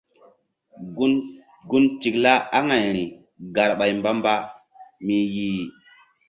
Gun tikla aŋayri garɓay mbamba mi yih.